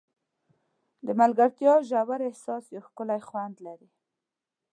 د ملګرتیا ژور احساس یو ښکلی خوند لري.